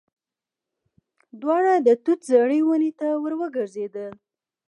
دواړه د توت زړې ونې ته ور وګرځېدل.